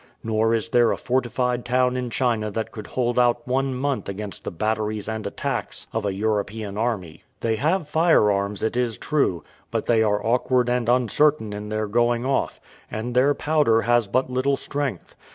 Nor is there a fortified town in China that could hold out one month against the batteries and attacks of an European army. They have firearms, it is true, but they are awkward and uncertain in their going off; and their powder has but little strength.